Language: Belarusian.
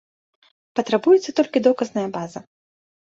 Патрабуецца толькі доказная база.